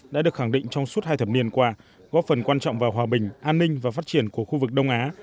đã được khẳng định trong suốt hai thập niên qua góp phần quan trọng vào hòa bình an ninh và phát triển của khu vực đông á